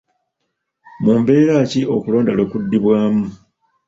Mu mbeera ki okulonda lwe kuddibwaamu?